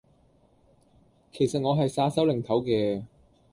其實我係耍手擰頭嘅